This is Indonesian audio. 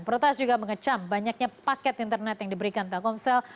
protes juga mengecam banyaknya paket internet yang diberikan telkomsel